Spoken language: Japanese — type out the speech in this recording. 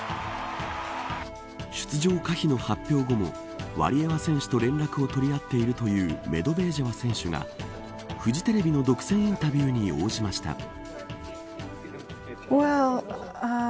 出場可否の発表後もワリエワ選手と連絡を取り合っているというメドベージェワ選手がフジテレビの独占インタビューに応じました。